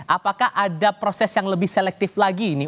apakah ada proses yang lebih selektif lagi ini